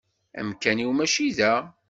Amkan-iw mačči da.